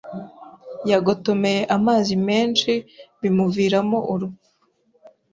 yagotomeye amazi menshi bimuviramo urupfu